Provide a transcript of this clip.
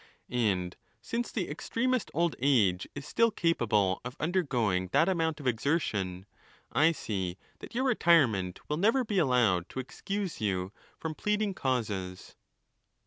Aud since the extremest old age is still capable of undergoing that amount of exertion, I see that your retire ment will never be allowed to excuse you from pleading causes.